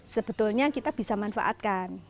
sebetulnya kita bisa manfaatkan